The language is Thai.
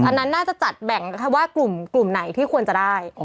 อันนั้นน่าจะจัดแบ่งแค่ว่ากลุ่มไหนที่ควรจะได้